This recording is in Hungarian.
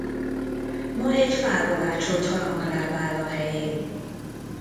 Ma egy fából ácsolt harangláb áll a helyén.